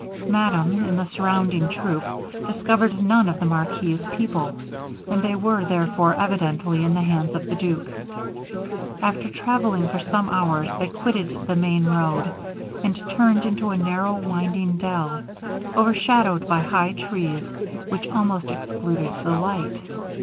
Madame, in the surrounding troop, discovered none of the marquis's people, and they were therefore evidently in the hands of the duke. After travelling for some hours, they quitted the main road, and turned into a narrow winding dell, overshadowed by high trees, which almost excluded the light.